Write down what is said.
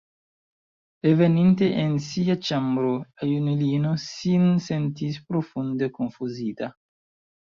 Reveninte en sia ĉambro, la junulino sin sentis profunde konfuzita.